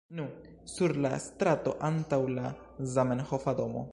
Nu, sur la strato antaŭ la Zamenhofa domo